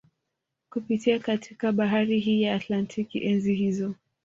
Kupitia katika bahari hii ya Atlantik enzi hizo